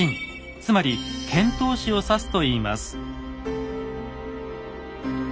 つまり遣唐使を指すといいます。